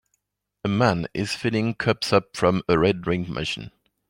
A man is filling cups up from a red drink machine